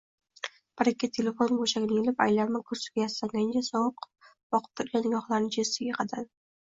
Brekket telefon go`shagini ilib, aylanma kursiga yastangancha, sovuq boqib turgan nigohlarini Jessiga qadadi